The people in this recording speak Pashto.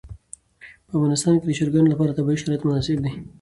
په افغانستان کې د چرګانو لپاره طبیعي شرایط مناسب دي.